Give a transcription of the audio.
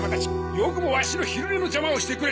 よくもワシの昼寝の邪魔をしてくれたな！